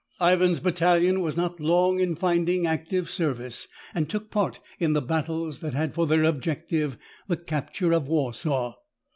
Ivan's battalion was not long in finding active service, and took part in the battles that had for their object the capture of Warsaw.